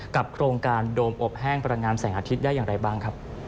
โครงการโดมอบแห้งพลังงานแสงอาทิตย์ได้อย่างไรบ้างครับ